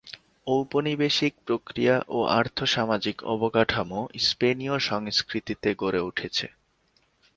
ঔপনিবেশিক প্রক্রিয়া ও আর্থ-সামাজিক অবকাঠামো স্পেনীয় সংস্কৃতিতে গড়ে উঠেছে।